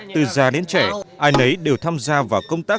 từ già đến trẻ ai nấy đều tham gia vào công tác